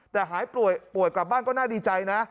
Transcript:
แต่หายป่วยกลับบ้านก็น่าดีใจนะ